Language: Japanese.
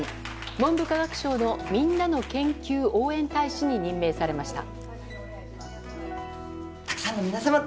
文部科学省のみんなの研究応援大使に任命されました。